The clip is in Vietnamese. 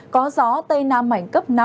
có gió tây nam mạnh cấp năm